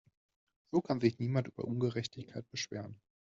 So kann sich niemand über Ungerechtigkeit beschweren.